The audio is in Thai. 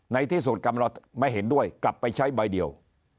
ในที่สุดกำลังไม่เห็นด้วยกลับไปใช้ใบเดียว